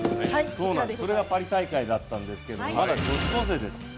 それがパリ大会だったんですけどまだ女子高生です。